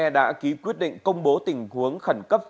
đã ký quyết định công bố tình huống khẩn cấp